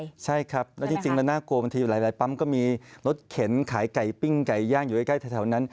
ดูเรื่องสะท้ายครับแล้วจริงน่ากลัวปั๊มก็มีรถเข็นขายไก่ปิ้งไก่ย่างอยู่ใกล้ถ้าแถวนั้น